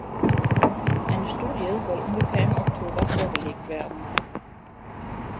Eine Studie soll ungefähr im Oktober vorgelegt werden.